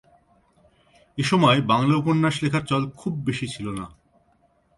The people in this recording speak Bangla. এসময় বাংলা উপন্যাস লেখার চল খুব বেশি ছিল না।